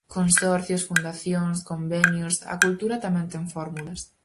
Consorcios, fundacións, convenios... a cultura tamén ten fórmulas.